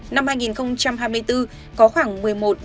năm hai nghìn hai mươi bốn có khoảng một mươi một